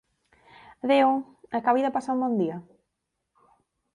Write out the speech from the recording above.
Adeu, acabi de passar un bon dia.